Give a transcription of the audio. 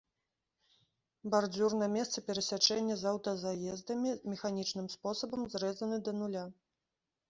Бардзюр на месцы перасячэння з аўтазаездамі механічным спосабам зрэзаны да нуля.